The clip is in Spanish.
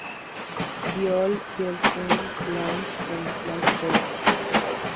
Biol, J. Biol Chem, Plant J. and Plant Cell.